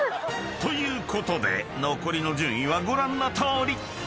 ［ということで残りの順位はご覧のとおり］